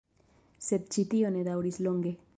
Sed ĉi tio ne daŭris longe.